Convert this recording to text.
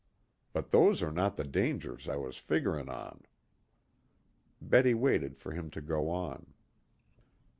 But those are not the dangers I was figgering on." Betty waited for him to go on.